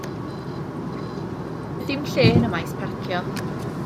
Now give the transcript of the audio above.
Doedd dim lle yn y maes parcio.